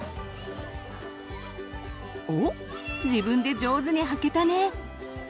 おっ自分で上手にはけたね！